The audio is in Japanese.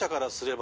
ば